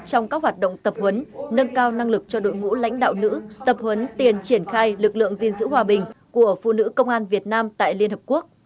trong các hoạt động tập huấn nâng cao năng lực cho đội ngũ lãnh đạo nữ tập huấn tiền triển khai lực lượng gìn giữ hòa bình của phụ nữ công an việt nam tại liên hợp quốc